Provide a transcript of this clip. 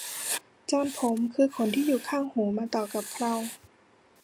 จอนผมคือขนที่อยู่ข้างหูมาต่อกับเครา